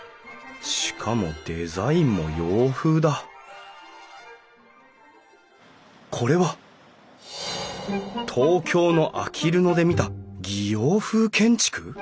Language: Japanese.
しかもデザインも洋風だこれは東京のあきる野で見た擬洋風建築？